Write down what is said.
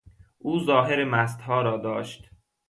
او ظاهر مستها را داشت.